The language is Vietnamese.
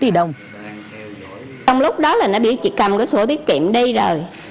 trong lúc đó là nó chỉ cầm cái sổ tiết kiệm đi rồi